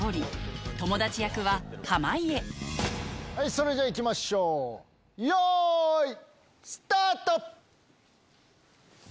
それじゃあいきましょうよいスタート！